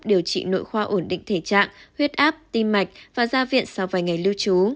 điều trị nội khoa ổn định thể trạng huyết áp tim mạch và ra viện sau vài ngày lưu trú